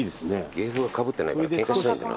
芸風がかぶってないからケンカしないんだな。